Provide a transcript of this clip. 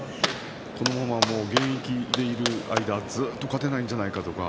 このまま現役している間ずっと勝てないんじゃないかとか